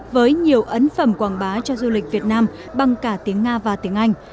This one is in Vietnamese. với nhiều ấn phẩm quảng bá cho du lịch việt nam bằng cả tiếng nga và tiếng anh